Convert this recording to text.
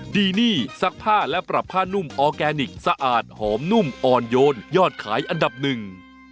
ดีนี่ซักผ้าและปรับผ้านุ่มออร์แกนิคสะอาดหอมนุ่มอ่อนโยนยอดขายอันดับหนึ่ง